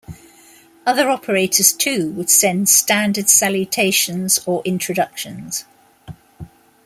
Other operators too would send standard salutations or introductions.